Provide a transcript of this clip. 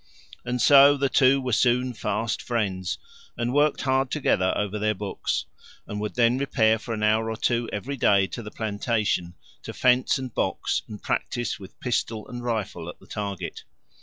And so the two were soon fast friends, and worked hard together over their books, and would then repair for an hour or two every day to the plantation to fence and box and practise with pistol and rifle at the target.